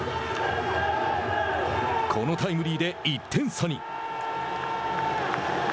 このタイムリーで１点差に。